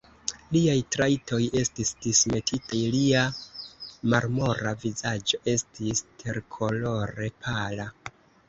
Liaj trajtoj estis dismetitaj; lia marmora vizaĝo estis terkolore pala.